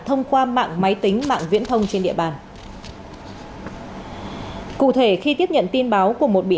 thông qua mạng máy tính mạng viễn thông trên địa bàn cụ thể khi tiếp nhận tin báo của một bị